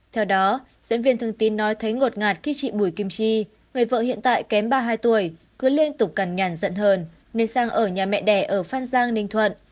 theo đó diễn viên thường tín nói thấy ngột ngạt khi chị bùi kim chi người vợ hiện tại kém ba mươi hai tuổi cứ liên tục cần nhàn giận hơn nên sang ở nhà mẹ đẻ ở phan giang ninh thuận